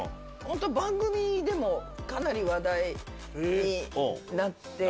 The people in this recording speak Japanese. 番組でもかなり話題になって。